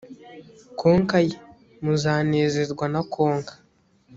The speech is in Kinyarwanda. konka ye muzanezezwa no konka